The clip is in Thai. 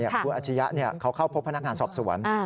คุณอาชียะเขาเข้าพบพนักงานสอบสวน